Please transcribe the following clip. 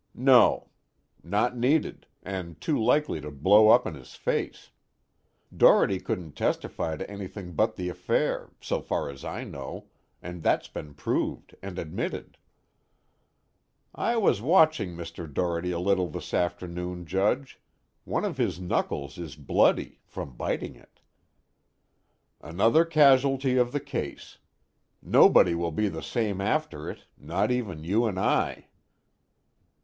"No. Not needed, and too likely to blow up in his face. Doherty couldn't testify to anything but the affair, so far as I know, and that's been proved and admitted." "I was watching Mr. Doherty a little this afternoon, Judge. One of his knuckles is bloody, from biting it." "Another casualty of the case. Nobody will be the same after it, not even you and I."